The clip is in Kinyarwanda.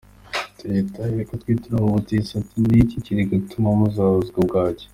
Ati “Leta iri kutwirukaho ubutitsa ati ‘niki kiri gutuma murwaza bwaki.